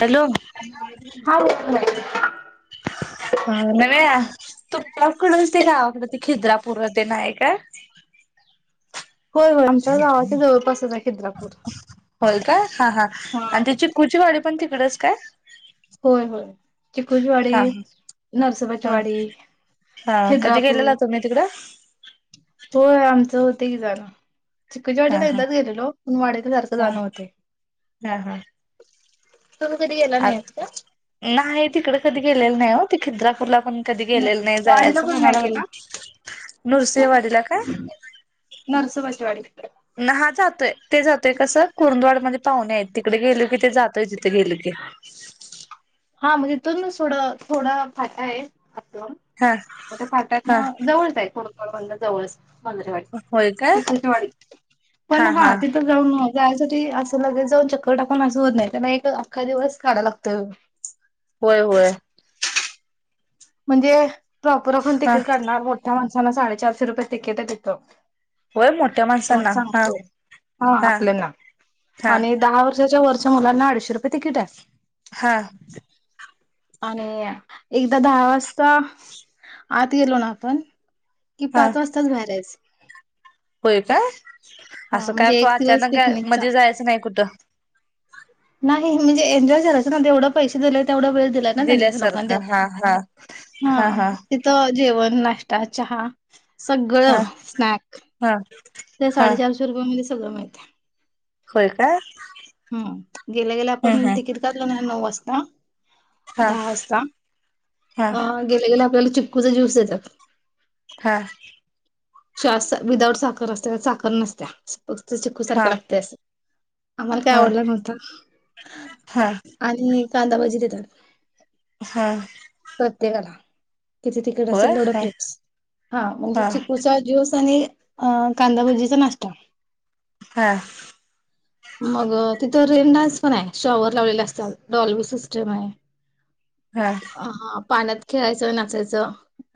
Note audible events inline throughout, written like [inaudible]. Hello हा बोला हा नव्या तुमच्याकडच ते गावाकड ते खिद्रापूरतेन हाय काय होय होय आमच्या गावाच्या जवळपासच हाय होय काय हा हा आणि त चिकुचीवाडी पण तिकडच काय होय होय चिकूचीवाडी हा नरसोबाचीवाडी हां कधी खिद्रापूर गेलेला तुम्ही तिकडं होय आमचं होतय की जाणं. चिकुच्या हा वाडीला हा एकदाच गेलेलो पण वाडीला सारखं हा जाण होतय आ नाही तिकडे कधी गेलेलो नाही हो ते खिद्रापूरला पण कधी गेलेलो नाही वाडीला जायचं पण नाही गेला. म्हणालागलोय नृसिंहवाडीला काय नरसोबाची वाडी हा जातोय ते जातोय कसं कुर्ंदवाड मध्ये पाहुणे आहेत तिकडे गेलो की ते जातोय जिथे गेलो की [inaudible] हा मग इथून थोडं थोडा फाटा आहे हा [inaudible] हा वाडी होय काय चिकुचीवाडी पण हा तिथं जाऊन जायासाठी असं लगेच जाऊन चक्कर टाकून असं होत नाही कारण एक अख्खा दिवस काढाय लागतोय होय होय म्हणजे प्रॉपर आपण हा तिकीट काढणार मोठ्या माण ना साडेचारशे रुपये तिकीट हाय तिथ होय मोठ्या माणसांना तुम्हाला हा सांगतो हा आपल्यांना हा आणि दहा वर्षाच्या वरच्या मुलांना अडीचशे रुपये तिकीट आहे. हा आणि एकदा दहा वाजता आत गेलो ना आपण कि हा पाच वाजताच बाहेरयच होय का हा असं काय म्हणजे एक दिवस अचानक का पिकनिकचा मजे जायचं नाही कुठं [inaudible] नाही म्हणजे एन्जॉय करायचं ना तेवढं पैसे दिले तेवढा वेळ दिलाय ना त्यांनी लोकां देत दिल्यासारखं हा हा हा तिथं जेवण नाश्ता चहा सगळं हा स्नॅक हा त्या हा साडेचारशे रुपयामध्ये सगळं मिळतय होय का हम गेल्या गेल्या हम्म आपण हम्म तिकीट काढल ना नऊ वाजता हा दहा वाजता हा अ गेल्या गेल्या आपल्याला चिक्कूचा ज्यूस देतात हा श्वास विदाऊट साखर असते तर साखर नसत्या फक्त शिकू हा सारखं लागत असं आम्हाला काय हा आवडलं नव्हत हा आणि कांदाभज्जी देतात हा प्रत्येकाला तिथे तिकीट होय असेल तेवढं हा प्लेट्स हा म्हणजे दिवस आणि अ कांदाभज्जीचा नाश्ता हा मग ते तर रेन डान्स पण आहे शॉवर लावलेले असतात डॉलवी सिस्टम आहे हा हा पाण्यात खेळायचं नाचायचं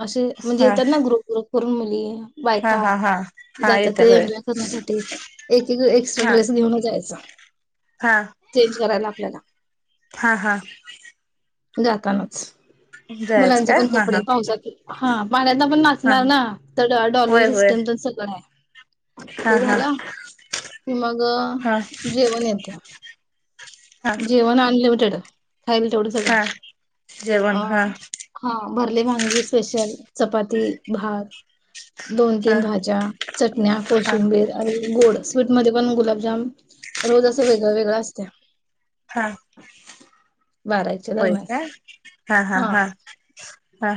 असे म्हणजे हा येतात ना ग्रुप ग्रुप करुन मुली आहे हा हा हा हा जातात येत ते होय एन्जॉय करण्यासाठी एक एक एक्स्ट्रा हा ड्रेस घेऊनच जायचा हा चेंज करायला आपल्याला हा हा जातानाच जायचं मुलांचे काय पण हा हा कपडे पाऊसात पाण्यात आपण हा नाचणार ना तर डॉल्बी होय होय सिस्टम पण सगळं आहे हा ते हा झालं की मग हा जेवण येतय हा जीवन अनलिमिटेड खायला तेवढं सगळं हा अ जेवण हा हा भरले वांगी स्पेशल चपाती भात दोन हा तीन भाज्या चटण्या हा कोशिंबीर आणि गोड स्वीटमध्ये पण गुलाबजाम रोज असं वेगळं वेगळं असतय हा बाराच्या होय दरम्यान का हा हा हा हा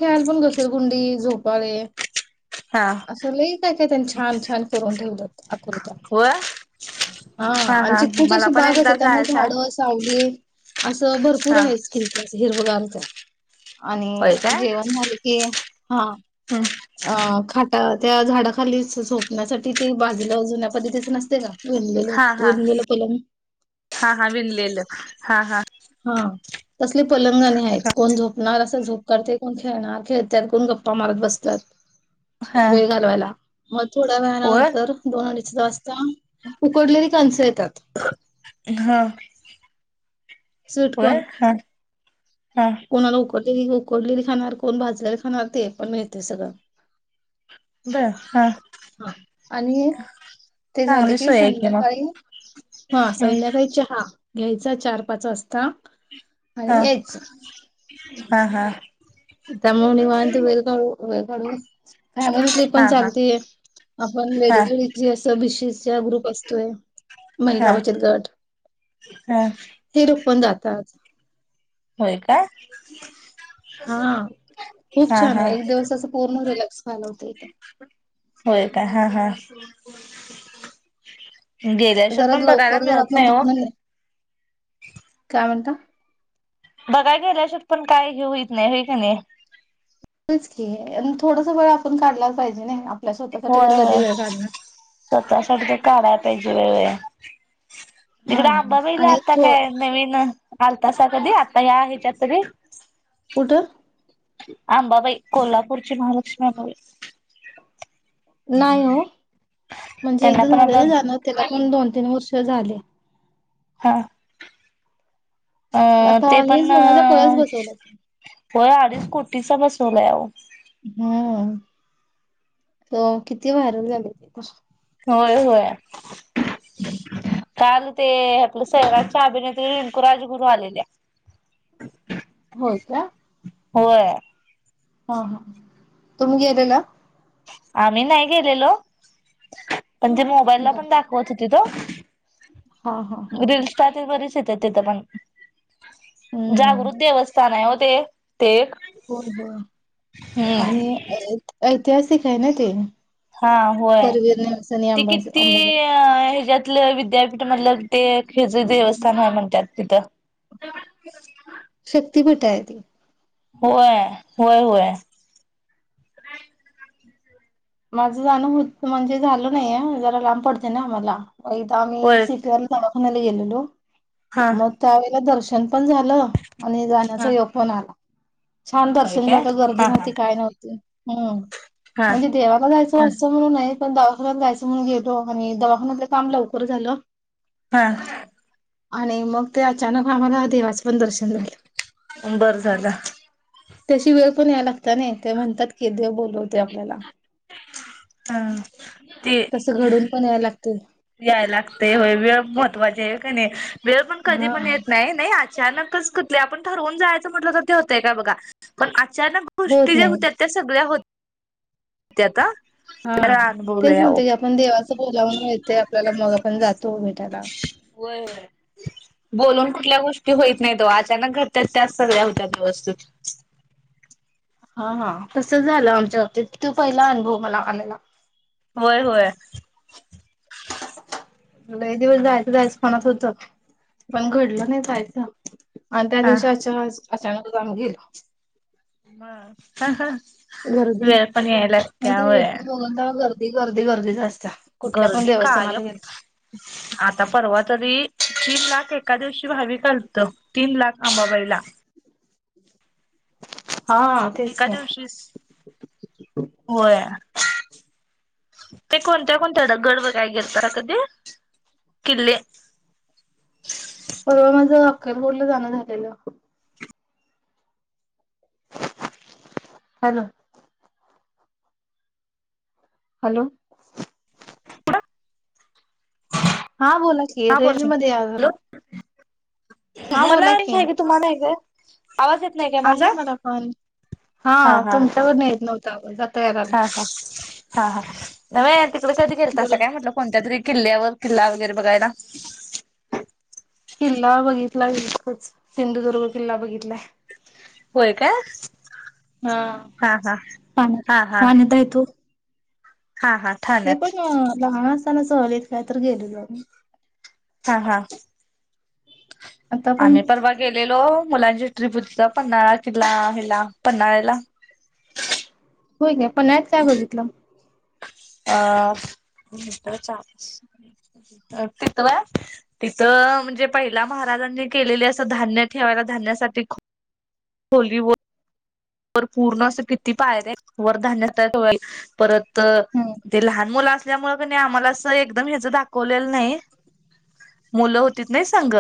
आणि काय मग घसरगुंडी झोपाळे [inaudible] असंल काय काय त्यांनी छान छान करून ठेवलं आकृत्या व हा आणि चिकूची मला अशी पण बागच एकदा आहे त्यामुळे जायचं झाड आहे सावली असं भरपूर हा आहेच कि हिरवगारच आहे होय आणि काय जेवण झाले की हा हम्म अ ख त्या झाडाखाली झोपण्यासाठी ते बाजलं जुन्या पद्धतीचं नसते का [unintelligible] हा हा पंलग हा हा विनलेलं हा हा हा तसले पलंगण आहेत कोण झोपणार झोप करते कोण खेळणार खेळत्यात कोण गप्पा मारत बसतात हा वेळ घालवायला मग थोड्या वेळा वर नंतर दोन अडीच वाजता उकडलेली कांस येत हा सुटकण वर हा हा कोणाला उक कोडलेली खाणार कोण भाजलेली खाणार ते पण मिळते सगळं द हा हा आणि ते झाले चांगली की सोय आहे मग संध्याकाळी हा संध्याकाळी चहा घ्यायचा चार पाच वाजता हा आणि यायचं हा हा त्यामुळे निमा तू वेळ का वेळ काढून फॅमिली ट्रीप पण हा चालतेय आपण हा वेगवेळी ज असं बीशी चा ग्रुप असतोय महिला हा बचत गट हा हे रोख पण जातात होय का हा खूप हा छान हा आहे एक दिवस अस पूर्ण रिलॅक्स झाल होत इथ होय काय हा हा गेल्याश्वर जरा पण बघायला लवकर जर मिळत आपण नाही हो तिथन काय म्हणता बघाय गेल्या शत पण काय हे होईत नाही हे का नाही च थोडस बरं आपण काढलाच पाहिजे नाही आपल्या स्वतःसाठी होय तर कधी होय वेळ काढणार. स्वतःसाठी ते काड आहे पहिजे वळे हा तिकड आंबा पहिला आणि आता तो काय नवीन आल तासा कधी आता या ह्याच्यातरी कठं आंबाबाई कोल्हापूरची महालक्ष्मीबाई नाही हो म्हणजे त्यांना एकदा पण आता झालेलं जाणार त्याला पण दोन तीन वर्ष झाले हा अ आता ते पण हेच होण्याचा कळस बसवला की होय अडीच कोटीचा बसवला आहे हो किती व्हायरल झाले तेथ होय होय काल ते आपल्या सैराांच्या अभिने ते रिंकू राजगुरु आलेल्या होय का होय हा हा तुम्ही गेलेला आम्ही नाही गेलेलो पण ते मोबाईलला बर पण दाखवत होती तो हा हा हा रीलल्सट ते बरी तिथ पण हम्म जागृत देवस्थान आहे हो ते एक हो हो आणि हम्म ऐतिहासिक आहे ना ते हा होय करवीर नेल्सन आणि ते अंबाज किती अंबाबाई ह्याच्यातलं विद्यापीठमधलं ते हच देवस्थान आहे म्हणतात तिथं शक्ती भटाय त होय होय होय माझं जाणं होत म्हणजे झाल नाहीय जरा लांब पडते ना आम्हाला मग इथदा आम्ही होय सटी दवाखान्याला गेलेलो हा मग त्यावेळेला दर्श पण झालं आणि हा जाण्याचा य पण आला छान होय दर्शन जा काय का गर्दी हा हा नव्हती काय नव्हती हम्म हा देवाक जायचं हा असं म्हणून नाही पण दवाखान्यात जायचं म्हणून गेलो आणि दवाखान्यातलं काम लवकर झालं हा आणि मग ते अचानक आम्हाला देवाच बर झालं. त्याशी वेळ पण याय लागत ना ते म्हणतात की देव बोलवते आपल्याला. हा ते, तसं घडून पण यायला लागते याय लागतेय होय वेळ महत्वाची आहे का नाही वेळ पण कधी हा पण येत नाही, नाही, अचानकच क आपण ठरवून जायचं म्हटलं तर ते होतय का बघा पण, अचानक गोष्टी होत ज्या नाही होत्या त्या सगळ्या होत. त्या आता, हा अनुभवलं तेच म्हणत यावं. की आपण देवाचं बोलावून मिळते आपल्याला मग आपण जातो उमेटायला. होय, होय बोलून कुठल्या गोष्टी होईत नाही तो अचानक घरच्या त्यात सगळ्या होत्या व्यवस्थत. ढ हा हा तस झालं आमच्या हबतीत तो पहिला अनुभव मला आणाण्याला होय होय मला एक दिवस जायचं जायचं पणत होतं पण घडलं नाही जायचं आणि त्या हा. दिवशी अ अचानक आम गेल ब गर्दी नाही तर येत होय. बघून तर गर्दी गर्दी गर्दी जास्ते गर्दी कायम आता परवा तरी तीन लाख एका दिवशी भावीिकलत तीन लाख आंबाबाईला हा तेच एका की दिवशी होया त ते कोणत्या कोणत्या गडव काय घेरत कधी किल्ले का बोललं जाणं झालेलं हॅलो हॅलो हा बोला की हा बोला रेंज मध्ये आहे जरा हॅलो हा बोलाय मला नाही क आहे की तुम्हाला आहे काय आवाज येत नाही काय आहे माझा? मला पण हा तुमच्यावर नेत नव्हतं हा हा हा हा न तिकडे कधी करत असं बोला काय म्हटलं कोणत्या तरी किल्ल्यावर किल्ला वगैरे बघायला किल्ला बघितला इकच सिंधुदुर्ग किल्ला बघितलाय होय का हा हा हा हा पाण्यात हा पाण्यात आहे तो हा हा ते ठाण्यात पण लहान असताना सहलत काय तर गेलेल हा हा आता पण आम्ही परवा गेलेलो मुलांची ट्रीप होती पन्हाळा तिला हिला पन्हाळ्याला हो काय पण आत काय बघितलं अ चार तिथ आहे तिथं म्हणजे पहिला महाराज महाजांनी केलेले असं धान्य ठेवायला धान्यासाठी खली व पूर्ण अस किती पाय वर धान्य होल परत हम्म ते लहान मुला असल्यामुळे आम्हाला अस एकदम हच दाखवलेलं नाही मुलं होती नाही संांग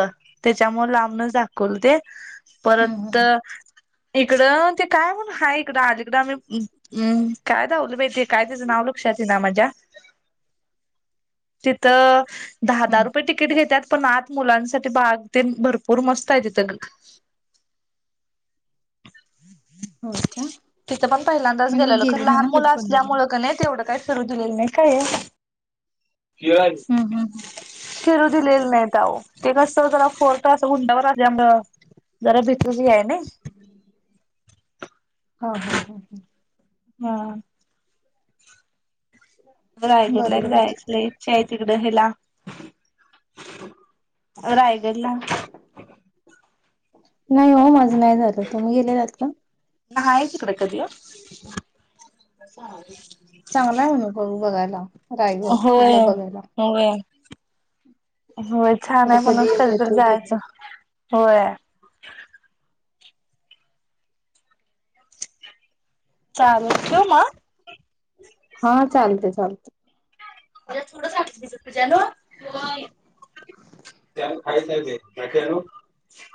त्याच्यामु लांबण झाखल ते हम्म परत हम्म इकडं ते काय म्हण हा इकडं आज इकडं आम्हीम काय धावल पाहिे काय त्याचं नाव लक्षातात ना मझज्या ऋ तिथं दहा दहा हम्म रुपये तिकीट घेतात पण आत मुलांसाठी बाग ते भरपूर मस्त आहे तिथ ए हो का, तिथं पण पहिल्यांदाच मी गेलेलो खर गेलो नाही लहान ना मुलं कधी पनवेलला असल्यामुळ क नाही तेवढं कायं - फिरू दिलेलं नाही. हम्म हम्म हम्म. फिरू दिलेले नाही आहो ते कसं जरा फोर्ट हुंटावर असल्यामुळं. जरा [unintelligible] आहे नां. हा हा हा हा. हम्. रायगडला एक बरोबर आहे की. जायची लय इच्छायं. तिकडं हेला रायगडला. नाही हो माझं नाही झालं तुम्ही गेलेलात का? नाही तिकडे कधी हो. चांगला आहे अनुभव बघायला रायगड होय किल्ला बघायला होय. होय, छान आता आहे म्हणून योग कधी तर येतोय बघू जायचं होय. चाल ठेवू मगं. हा चालते चालते. तुझ्या थोडं [unintelligible] तुझ्या न खायचं आहे ते माहितेय नव्हं.